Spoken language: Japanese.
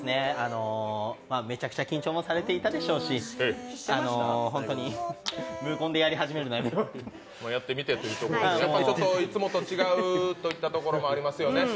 めちゃくちゃ緊張もされていたでしょうし、無言でやり始めるのやめてもらっていつもと違うといったところもありますよね。